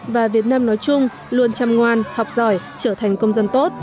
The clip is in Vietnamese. và việt nam nói chung luôn chăm ngoan học giỏi trở thành công dân tốt